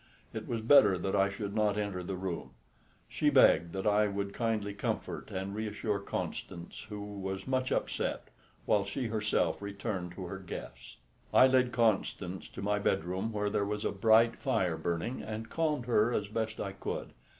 It was better that I should not enter the room; she begged that I would kindly comfort and reassure Constance, who was much upset, while she herself returned to her guests. I led Constance to my bedroom, where there was a bright fire burning, and calmed her as best I could.